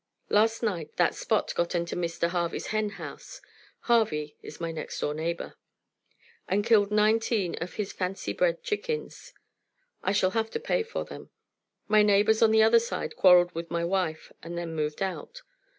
Last night that Spot got into Mr. Harvey's hen house (Harvey is my next door neighbor) and killed nineteen of his fancy bred chickens. I shall have to pay for them. My neighbors on the other side quarreled with my wife and then moved out.